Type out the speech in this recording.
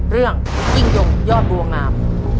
เรื่องอิงโยงยอดดวงนาม